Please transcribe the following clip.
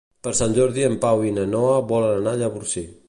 Per Sant Jordi en Pau i na Noa volen anar a Llavorsí.